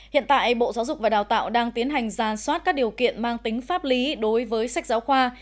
hiện tại bộ giáo dục và đào tạo đang tiến hành ra soát các điều kiện mang tính pháp lý đối với sách giáo khoa